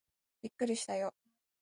びっくりしたよー